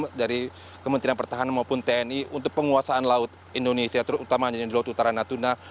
dari kementerian pertahanan maupun tni untuk penguasaan laut indonesia terutama yang di laut utara natuna